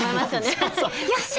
「よっしゃ！」